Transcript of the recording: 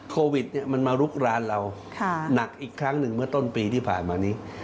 โควิดมันมาลุกร้านเราหนักอีกครั้งหนึ่งเมื่อต้นปีที่ผ่านมานี้